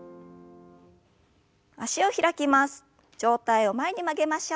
脚を開きます。